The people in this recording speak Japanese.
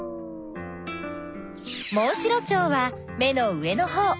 モンシロチョウは目の上のほう。